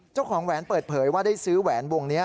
แหวนเปิดเผยว่าได้ซื้อแหวนวงนี้